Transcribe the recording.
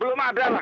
belum ada lah